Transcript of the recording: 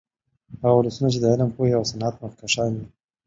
هغه ولسونه چې د علم، پوهې او صنعت مخکښان دي